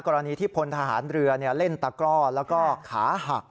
กรณีที่พลทหารเรือเล่นตะกร่อแล้วก็ขาหัก